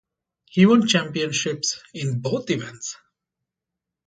He won championships in both events.